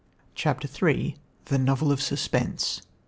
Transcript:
CHAPTER III "THE NOVEL OF SUSPENSE."